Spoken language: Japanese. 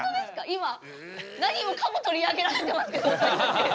今何もかも取り上げられてますけど私たち。